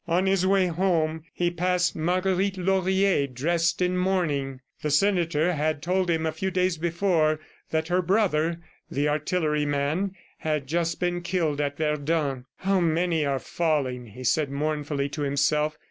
On his way home, he passed Marguerite Laurier dressed in mourning. The senator had told him a few days before that her brother, the artilleryman, had just been killed at Verdun. "How many are falling!" he said mournfully to himself.